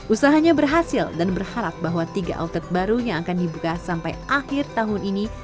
usahanya berhasil dan berharap bahwa tiga outlet baru yang akan dibuka sampai akhir tahun ini